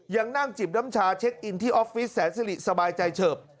ยังนั่งจิบน้ำชาเช็คอินที่ออฟฟิศแสนสิริสบายใจเฉิบ